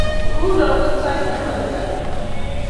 Nguno ko sait taman ak akenge